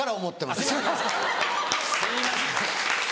すいません！